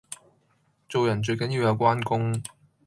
做人最緊要有關公